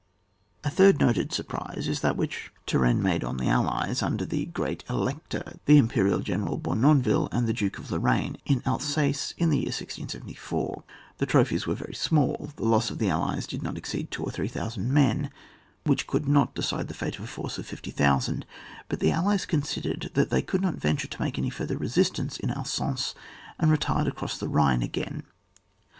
A third noted surprise is that which 80 ON WAR. [book yh. Turenne made on the Allies under the great Elector, the Imperial General Bournonville and the Duke of Lorraine, in Alsace, in the year 1674. The tro phies were very small, the loss of the Allies did not exceed 2,000 or 3,000 men, which could not decide the fate of a force of 50,000 ; but the Allies considered that they could not venture to make any further resistance in Alsace, and retired across the Hhine again.